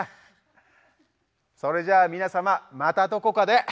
それじゃ皆様またどこかで。